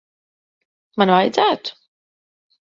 Man vajadzētu?